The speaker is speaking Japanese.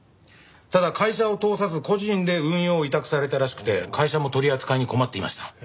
ただ会社を通さず個人で運用を委託されたらしくて会社も取り扱いに困っていました。